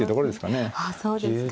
あそうですか。